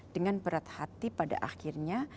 dengan berat hati pada akhirnya